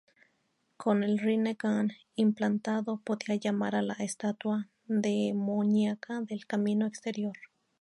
Con el Rinnegan implantado, podía llamar a la Estatua Demoníaca del Camino Exterior.